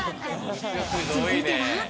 続いては。